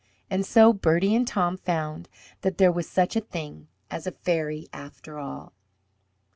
And so Bertie and Tom found that there was such a thing as a fairy after all.